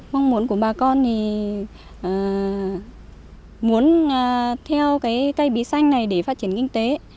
mong muốn của bà con thì muốn theo cái cây bí xanh này để phát triển kinh tế